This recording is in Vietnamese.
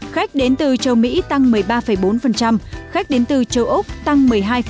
khách đến từ châu mỹ tăng một mươi ba bốn khách đến từ châu úc tăng một mươi hai